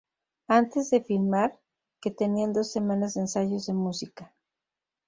Antes de filmar, que tenían dos semanas de ensayos de música.